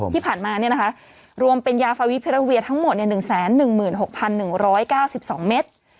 ที่ผ่านมารวมเป็นยาฟาวิพิราเวียทั้งหมด๑๑๖๑๙๒เมตร